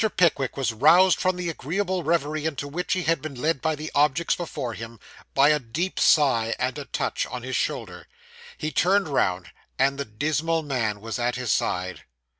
Pickwick was roused from the agreeable reverie into which he had been led by the objects before him, by a deep sigh, and a touch on his shoulder. He turned round: and the dismal man was at his side.